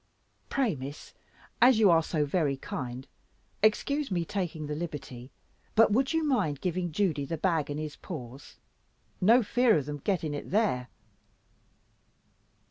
"Pray, Miss, as you are so very kind, excuse my taking the liberty, but would you mind giving Judy the bag in his paws? no fear of them getting it there."